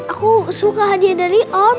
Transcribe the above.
aku suka hadiah dari on